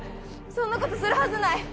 そんな事するはずない！